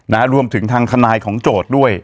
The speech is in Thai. นะฮะรวมถึงทางคณายของโจทย์ด้วย